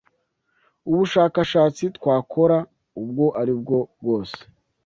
Ubushakashatsi twakora ubwo ari bwo bwose